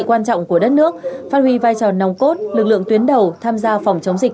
quan trọng của đất nước phát huy vai trò nòng cốt lực lượng tuyến đầu tham gia phòng chống dịch